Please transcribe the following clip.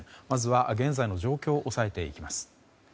まずは現在の状況を押さえていきます。